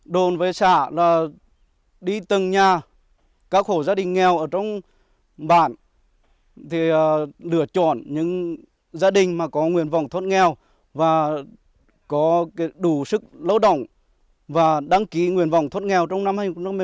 đồn về xã là đi từng nhà các hộ gia đình nghèo ở trong bản thì lựa chọn những gia đình mà có nguyện vọng thốt nghèo và có đủ sức lỗ động và đăng ký nguyện vọng thốt nghèo trong năm hai nghìn một mươi bảy